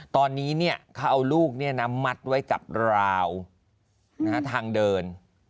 ตอนนี้เขาเอาลูกมัดไว้กับราวทางเดิน